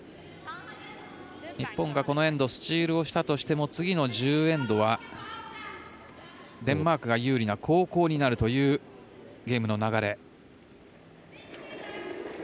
日本がこのエンドスチールをしたとしても次の１０エンドはデンマークが有利な後攻になるというゲームの流れ。